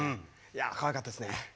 かわいかったですね。